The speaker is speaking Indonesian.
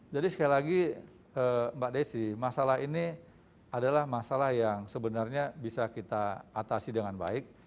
jadi sekali lagi mbak desi masalah ini adalah masalah yang sebenarnya bisa kita atasi dengan baik